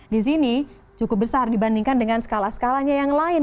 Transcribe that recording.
di sini cukup besar dibandingkan dengan skala skalanya yang lain